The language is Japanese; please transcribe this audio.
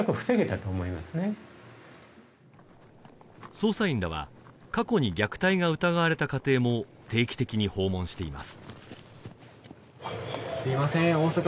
捜査員らは過去に虐待が疑われた家庭も定期的に訪問しています